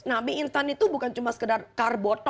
nah mie instan itu bukan cuma sekedar karbot